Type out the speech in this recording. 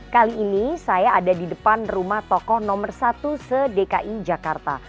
kali ini saya ada di depan rumah tokoh nomor satu se dki jakarta